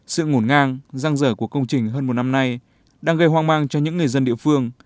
sự ngổn ngang răng dở của công trình hơn một năm nay đang gây hoang mang cho những người dân địa phương